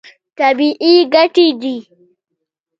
طبیعي ګټې دي.